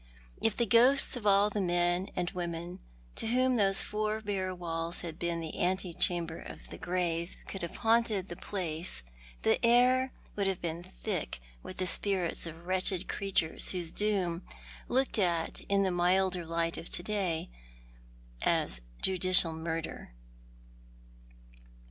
If the gliosis of all the men and women to whom those four bare walls had been the ante chamber of the grave could have haunted the place, the air would have been thick with, the spirits of wretched creatures whose doom, looked at in the milder light of to day» appears judicial murder.